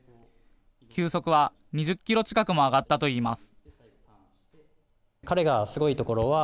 球速は２０キロ近くも上がったといいます。